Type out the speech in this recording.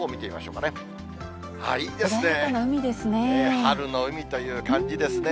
春の海という感じですね。